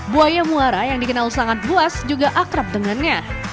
buaya muara yang dikenal sangat buas juga akrab dengannya